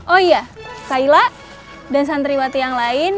oh iya saila dan santriwati yang lain